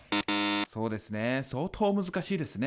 そうですね相当難しいですね。